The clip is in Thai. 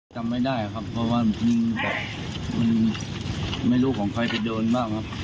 จำไม่ได้ครับเพราะว่ามันแบบมันไม่รู้ของใครไปโดนบ้างครับ